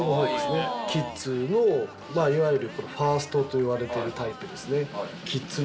いわゆるファーストといわれているタイプですね。